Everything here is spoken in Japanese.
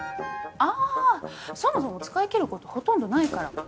あそもそも使い切ることほとんどないから。